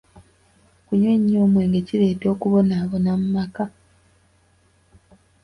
Okunywa ennyo omwenge kireeta okubonaabona mu maka.